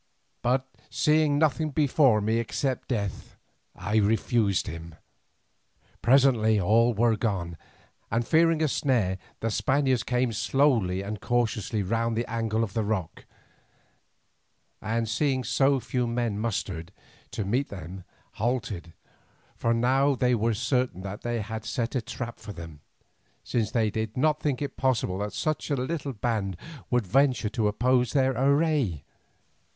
But, seeing nothing before me except death, I refused him. Presently all were gone, and fearing a snare the Spaniards came slowly and cautiously round the angle of the rock, and seeing so few men mustered to meet them halted, for now they were certain that we had set a trap for them, since they did not think it possible that such a little band would venture to oppose their array.